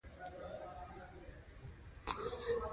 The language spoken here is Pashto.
افغانستان کې بامیان د خلکو د خوښې وړ ځای دی.